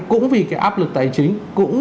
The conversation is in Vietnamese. cũng vì cái áp lực tài chính cũng